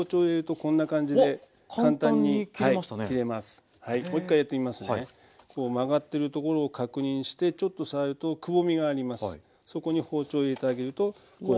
こう曲がってるところを確認してちょっと触るとくぼみがあります。